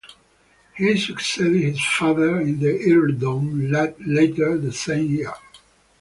He succeeded his father in the earldom later the same year.